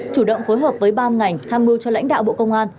chủ động phối hợp với ban ngành tham mưu cho lãnh đạo bộ công an